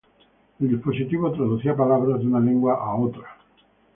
El dispositivo traducía palabras de una lengua a otra lengua.